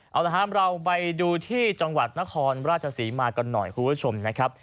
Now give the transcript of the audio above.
เอาละครับเราไปดูที่จังหวัดนครราชศรีมากันหน่อยคุณผู้ชมนะครับ